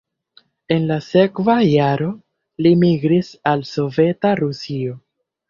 En la sekva jaro li migris al Soveta Rusio.